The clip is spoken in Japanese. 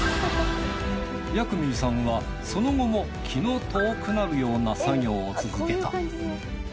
ヤクミィさんはその後も気の遠くなるような作業を続けた。